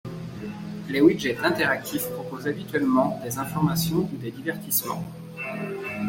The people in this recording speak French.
Les widgets interactifs proposent habituellement des informations ou des divertissements.